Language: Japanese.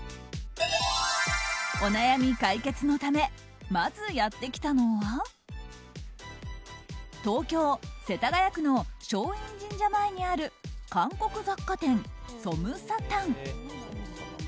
お悩み解決のためまずやってきたのは東京・世田谷区の松陰神社前にある韓国雑貨店ソムサタン。